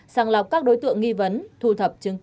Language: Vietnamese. sàng lọc các đối tượng nghi vấn thu thập chứng cứ